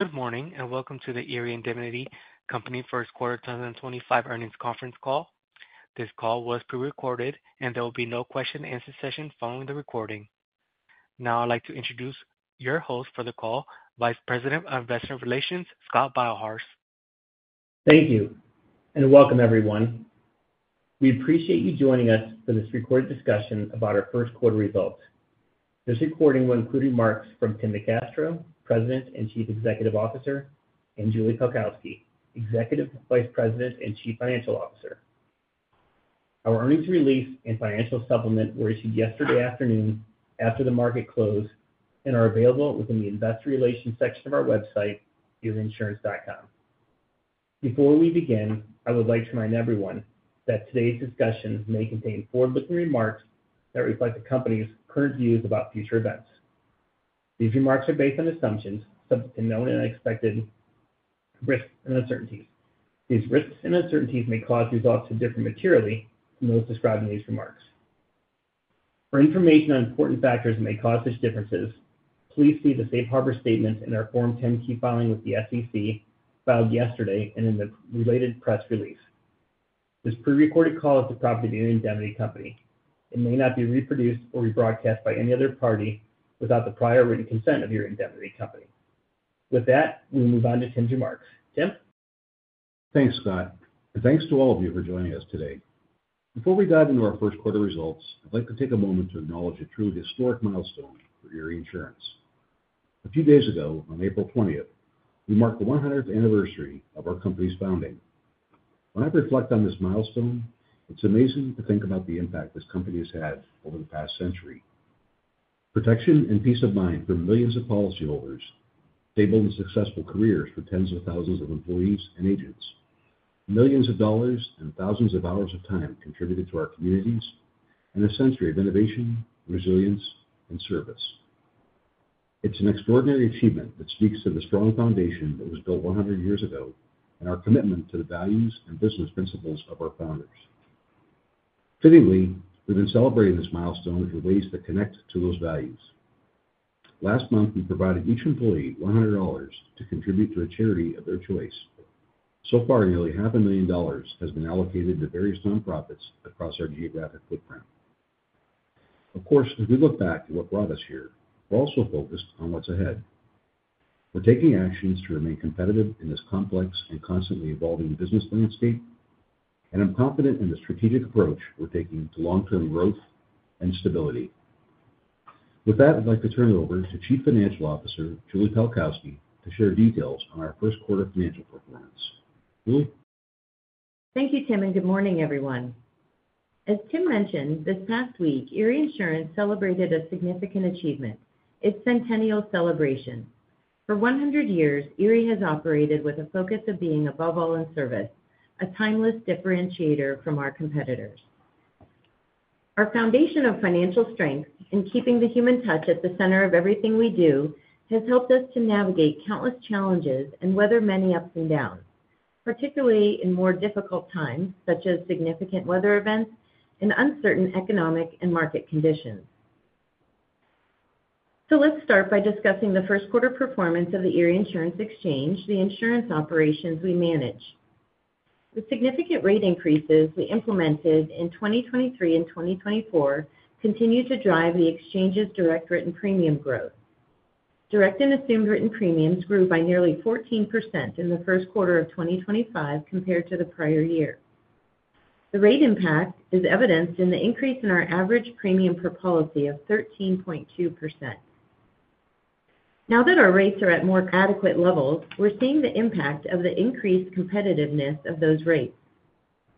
Good morning and welcome to the Erie Indemnity Company first quarter 2025 earnings conference call. This call was pre-recorded, and there will be no question-and-answer session following the recording. Now, I'd like to introduce your host for the call, Vice President of Investor Relations, Scott Beilharz. Thank you and welcome, everyone. We appreciate you joining us for this recorded discussion about our first quarter results. This recording will include remarks from Tim NeCastro, President and Chief Executive Officer, and Julie Pelkowski, Executive Vice President and Chief Financial Officer. Our earnings release and financial supplement were issued yesterday afternoon after the market closed and are available within the Investor Relations section of our website, erieinsurance.com. Before we begin, I would like to remind everyone that today's discussion may contain forward-looking remarks that reflect the company's current views about future events. These remarks are based on assumptions subject to known and unexpected risks and uncertainties. These risks and uncertainties may cause results to differ materially from those described in these remarks. For information on important factors that may cause such differences, please see the Safe Harbor Statements in our Form 10-K filing with the SEC filed yesterday and in the related press release. This pre-recorded call is the property of Erie Indemnity Company. It may not be reproduced or rebroadcast by any other party without the prior written consent of Erie Indemnity Company. With that, we will move on to Tim's remarks. Tim? Thanks, Scott. Thanks to all of you for joining us today. Before we dive into our first quarter results, I'd like to take a moment to acknowledge a true historic milestone for Erie Insurance. A few days ago, on April 20th, we marked the 100th anniversary of our company's founding. When I reflect on this milestone, it's amazing to think about the impact this company has had over the past century. Protection and peace of mind for millions of policyholders, stable and successful careers for tens of thousands of employees and agents, millions of dollars and thousands of hours of time contributed to our communities, and a century of innovation, resilience, and service. It's an extraordinary achievement that speaks to the strong foundation that was built 100 years ago and our commitment to the values and business principles of our founders. Fittingly, we've been celebrating this milestone through ways that connect to those values. Last month, we provided each employee $100 to contribute to a charity of their choice. So far, nearly $500,000 has been allocated to various nonprofits across our geographic footprint. Of course, as we look back at what brought us here, we're also focused on what's ahead. We're taking actions to remain competitive in this complex and constantly evolving business landscape, and I'm confident in the strategic approach we're taking to long-term growth and stability. With that, I'd like to turn it over to Chief Financial Officer, Julie Pelkowski, to share details on our first quarter financial performance. Julie? Thank you, Tim, and good morning, everyone. As Tim mentioned, this past week, Erie Insurance celebrated a significant achievement, its centennial celebration. For 100 years, Erie has operated with a focus of being above all in service, a timeless differentiator from our competitors. Our foundation of financial strength and keeping the human touch at the center of everything we do has helped us to navigate countless challenges and weather many ups and downs, particularly in more difficult times such as significant weather events and uncertain economic and market conditions. Let's start by discussing the first quarter performance of the Erie Insurance Exchange, the insurance operations we manage. The significant rate increases we implemented in 2023 and 2024 continue to drive the Exchange's direct written premium growth. Direct and assumed written premiums grew by nearly 14% in the first quarter of 2025 compared to the prior year. The rate impact is evidenced in the increase in our average premium per policy of 13.2%. Now that our rates are at more adequate levels, we're seeing the impact of the increased competitiveness of those rates.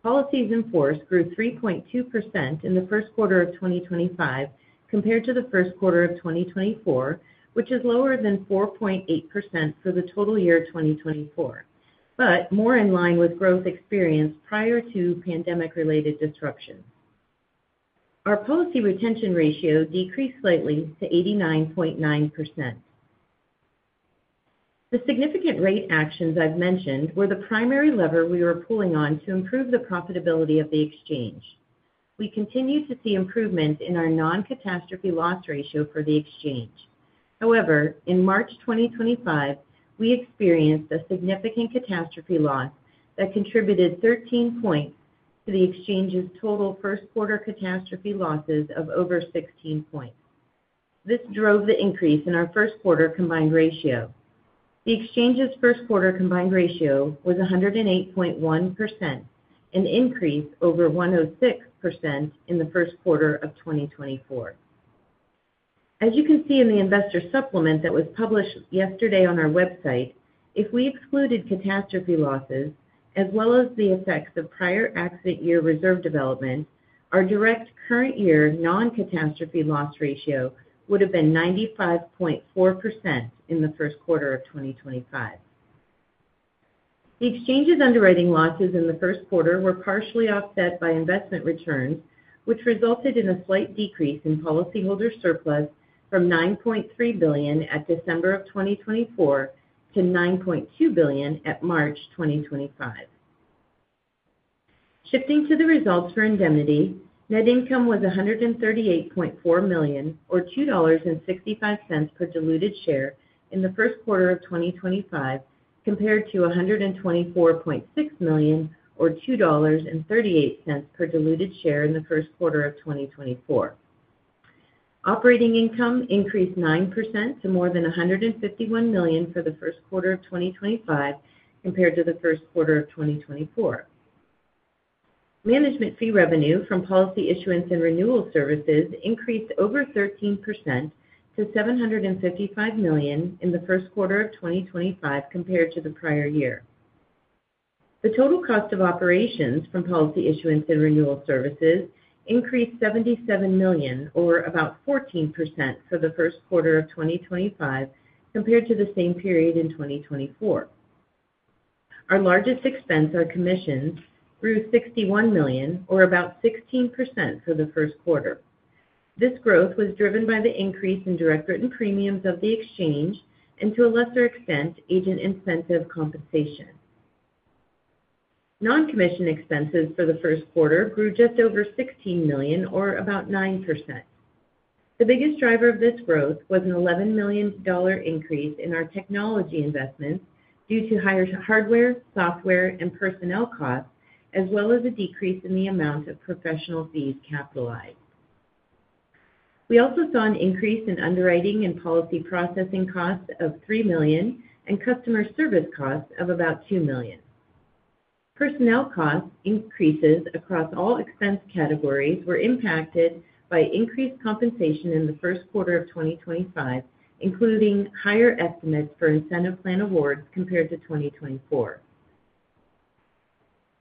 Policies in force grew 3.2% in the first quarter of 2025 compared to the first quarter of 2024, which is lower than 4.8% for the total year 2024, but more in line with growth experienced prior to pandemic-related disruptions. Our policy retention ratio decreased slightly to 89.9%. The significant rate actions I've mentioned were the primary lever we were pulling on to improve the profitability of the Exchange. We continue to see improvements in our non-catastrophe loss ratio for the Exchange. However, in March 2025, we experienced a significant catastrophe loss that contributed 13 percentage points to the Exchange's total first quarter catastrophe losses of over 16 percentage points. This drove the increase in our first quarter combined ratio. The Exchange's first quarter combined ratio was 108.1%, an increase over 106% in the first quarter of 2024. As you can see in the investor supplement that was published yesterday on our website, if we excluded catastrophe losses as well as the effects of prior accident year reserve development, our direct current year non-catastrophe loss ratio would have been 95.4% in the first quarter of 2025. The Exchange's underwriting losses in the first quarter were partially offset by investment returns, which resulted in a slight decrease in policyholder surplus from $9.3 billion at December of 2024 to $9.2 billion at March 2025. Shifting to the results for Indemnity, net income was $138.4 million, or $2.65 per diluted share in the first quarter of 2025, compared to $124.6 million, or $2.38 per diluted share in the first quarter of 2024. Operating income increased 9% to more than $151 million for the first quarter of 2025 compared to the first quarter of 2024. Management fee revenue from policy issuance and renewal services increased over 13% to $755 million in the first quarter of 2025 compared to the prior year. The total cost of operations from policy issuance and renewal services increased $77 million, or about 14%, for the first quarter of 2025 compared to the same period in 2024. Our largest expense, our commissions, grew $61 million, or about 16%, for the first quarter. This growth was driven by the increase in direct written premiums of the Exchange and, to a lesser extent, agent incentive compensation. Non-commission expenses for the first quarter grew just over $16 million, or about 9%. The biggest driver of this growth was an $11 million increase in our technology investments due to higher hardware, software, and personnel costs, as well as a decrease in the amount of professional fees capitalized. We also saw an increase in underwriting and policy processing costs of $3 million and customer service costs of about $2 million. Personnel cost increases across all expense categories were impacted by increased compensation in the first quarter of 2025, including higher estimates for incentive plan awards compared to 2024.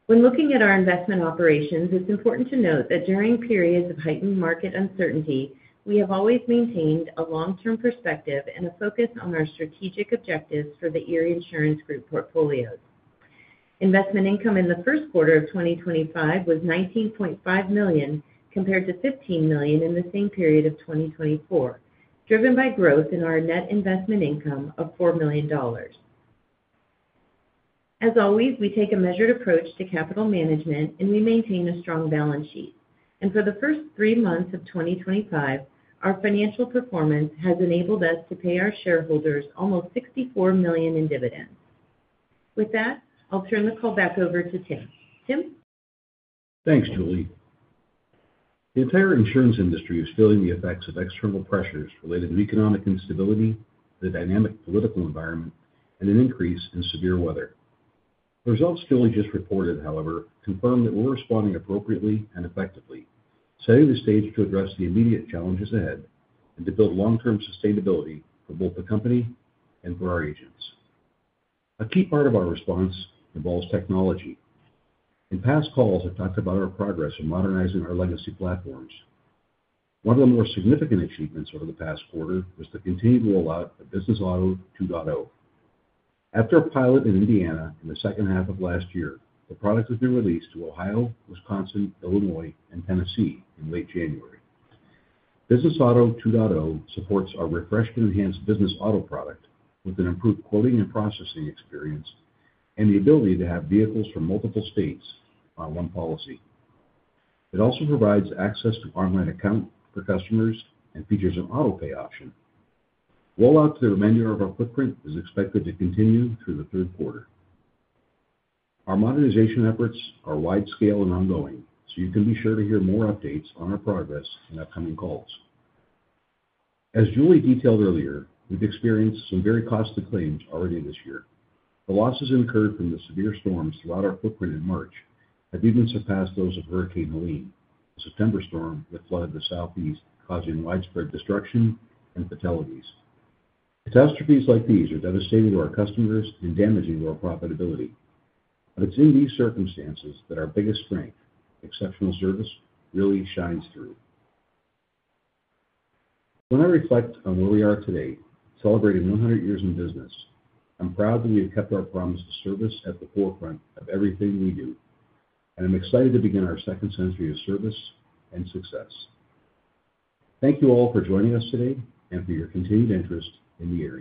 When looking at our investment operations, it's important to note that during periods of heightened market uncertainty, we have always maintained a long-term perspective and a focus on our strategic objectives for the Erie Insurance Group portfolios. Investment income in the first quarter of 2025 was $19.5 million compared to $15 million in the same period of 2024, driven by growth in our net investment income of $4 million. As always, we take a measured approach to capital management, and we maintain a strong balance sheet. For the first three months of 2025, our financial performance has enabled us to pay our shareholders almost $64 million in dividends. With that, I'll turn the call back over to Tim. Tim? Thanks, Julie. The entire insurance industry is feeling the effects of external pressures related to economic instability, the dynamic political environment, and an increase in severe weather. The results Julie just reported, however, confirm that we're responding appropriately and effectively, setting the stage to address the immediate challenges ahead and to build long-term sustainability for both the company and for our agents. A key part of our response involves technology. In past calls, I've talked about our progress in modernizing our legacy platforms. One of the more significant achievements over the past quarter was the continued rollout of Business Auto 2.0. After a pilot in Indiana in the second half of last year, the product has been released to Ohio, Wisconsin, Illinois, and Tennessee in late January. Business Auto 2.0 supports our refreshed and enhanced Business Auto product with an improved quoting and processing experience and the ability to have vehicles from multiple states on one policy. It also provides access to Online Account for customers and features an autopay option. Rollout to the remainder of our footprint is expected to continue through the third quarter. Our modernization efforts are wide-scale and ongoing, so you can be sure to hear more updates on our progress in upcoming calls. As Julie detailed earlier, we've experienced some very costly claims already this year. The losses incurred from the severe storms throughout our footprint in March have even surpassed those of Hurricane Helene, a September storm that flooded the Southeast, causing widespread destruction and fatalities. Catastrophes like these are devastating to our customers and damaging to our profitability. It is in these circumstances that our biggest strength, exceptional service, really shines through. When I reflect on where we are today, celebrating 100 years in business, I'm proud that we have kept our promise to service at the forefront of everything we do, and I'm excited to begin our second century of service and success. Thank you all for joining us today and for your continued interest in Erie.